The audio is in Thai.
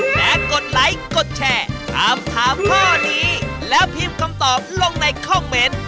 และกดไลค์กดแชร์ถามถามข้อนี้แล้วพิมพ์คำตอบลงในคอมเมนต์